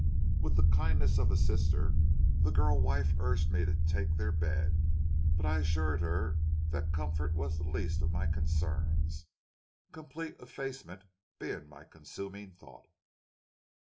With the kindness of a sister, the girl wife urged me to take their bed; but I assured her that comfort was the least of my concerns, complete effacement being my consuming thought.